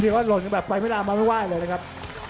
เรียกว่าหล่นแบบไปไม่นานมาไม่ไหว้เลยนะครับ